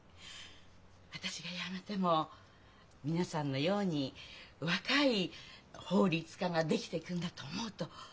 私が辞めても皆さんのように若い法律家ができていくんだと思うと。